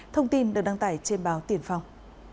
thông tin được đăng tải trên báo tiền phòng